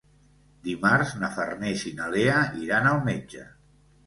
Dimarts na Farners i na Lea iran al metge.